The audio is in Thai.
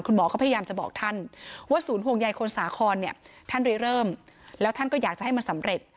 คุณหมอก็พยายามจะบอกท่านว่าศูนย์ห่วงใยคนสาครเนี่ยท่านได้เริ่มแล้วท่านก็อยากจะให้มันสำเร็จ